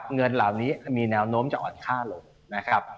เงินเหล่านี้มีแนวโน้มจะอ่อนค่าลงนะครับ